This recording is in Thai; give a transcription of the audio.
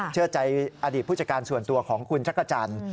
เชื่อใจอดีตผู้จัดการส่วนตัวของคุณจักรจันทร์